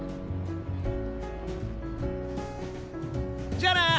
じゃあな！